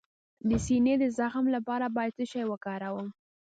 د سینې د زخم لپاره باید څه شی وکاروم؟